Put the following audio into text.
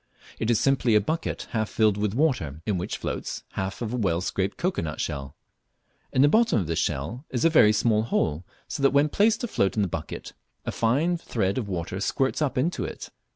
It is simply a bucket half filled with water, in which floats the half of a well scraped cocoa nut shell. In the bottom of this shell is a very small hole, so that when placed to float in the bucket a fine thread of water squirts up into it.